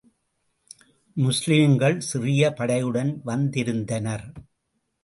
முஸ்லிம்கள் சிறிய படையுடன் வந்திருந்தனர்.